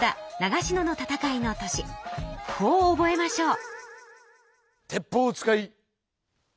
こう覚えましょう。